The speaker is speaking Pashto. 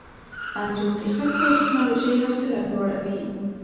انځور د خلکو او ټیکنالوژۍ حوصله لوړوي.